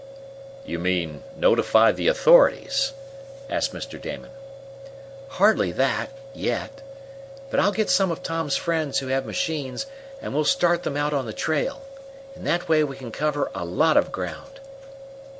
"You mean notify the authorities?" asked Mr. Damon. "Hardly that yet. But I'll get some of Tom's friends who have machines, and we'll start them out on the trail. In that way we can cover a lot of ground."